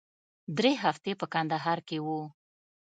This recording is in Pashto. درې هفتې په کندهار کښې وو.